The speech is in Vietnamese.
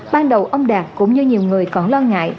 ban đầu ông đạt cũng như nhiều người còn lo ngại